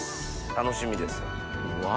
楽しみです。わ！